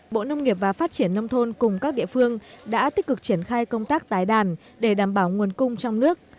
bộ nông nghiệp và phát triển nông thôn cùng các địa phương đã tích cực triển khai công tác tái đàn để đảm bảo nguồn cung trong nước